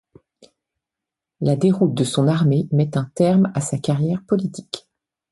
La déroute de son armée met un terme à sa carrière politique.